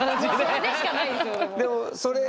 それでしかないですよもう。